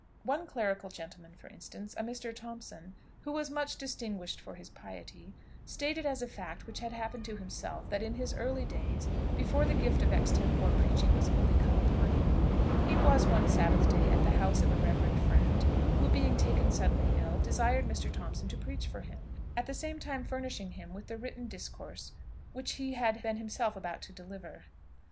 One clerical gentleman, for instance, a Mr. Thompson, who was much distinguished for his piety, stated as a fact which had happened to himself, that, in his early days, before the gift of extempore preaching was fully come upon him, he was one Sabbath day at the house of a reverend friend, who, being taken suddenly ill, desired Mr. Thompson to preach for him, at the same time furnishing him with the written discourse which he had been himself about to deliver.